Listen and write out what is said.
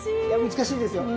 難しいですよ。